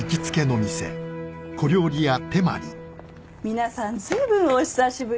皆さん随分お久しぶりねぇ。